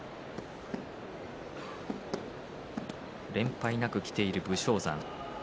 連敗なくきている武将山。